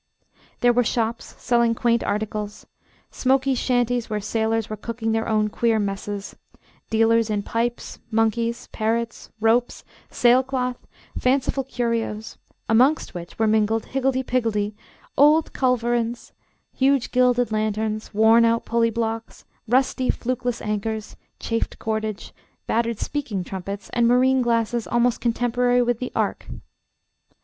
There were shops selling quaint articles, smoky shanties where sailors were cooking their own queer messes, dealers in pipes, monkeys, parrots, ropes, sailcloth, fanciful curios, amongst which were mingled higgledy piggledy old culverins, huge gilded lanterns, worn out pulley blocks, rusty flukeless anchors, chafed cordage, battered speaking trumpets, and marine glasses almost contemporary with the Ark.